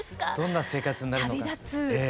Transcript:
どんな生活になるのか。